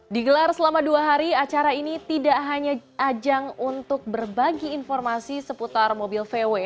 digelar selama dua hari acara ini tidak hanya ajang untuk berbagi informasi seputar mobil vw